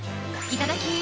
いただき！